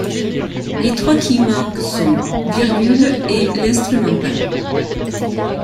Les trois qui manquent sont ',' et l'instrumental '.